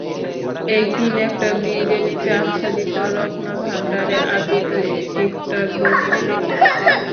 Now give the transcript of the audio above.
একদিন, একটা ব্রীজের নিচে আচ্ছাদিত রত্নভাণ্ডারে আবৃত একটা ব্রোঞ্জ পেলাম।